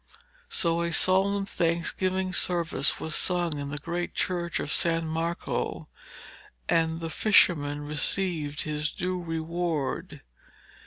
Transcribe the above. So a solemn thanksgiving service was sung in the great church of San Marco, and the fisherman received his due reward.